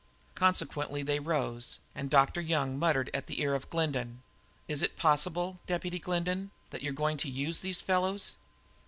Consequently they rose, and Dr. Young muttered at the ear of Glendin: "Is it possible, Deputy Glendin, that you're going to use these fellows?"